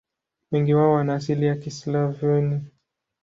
Wengi wao wana asili ya Kislavoni.